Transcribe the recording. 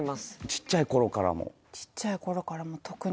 ちっちゃい頃からも？